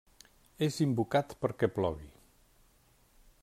És invocat perquè plogui.